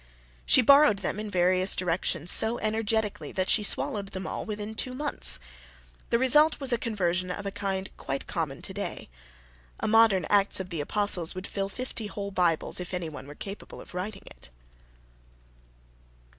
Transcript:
She borrowed them in various directions so energetically that she swallowed them all within two months. The result was a conversion of a kind quite common today. A modern Acts of the Apostles would fill fifty whole Bibles if anyone were capable of writing it.